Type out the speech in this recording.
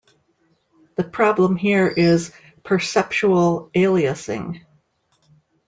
The problem here is "perceptual aliasing".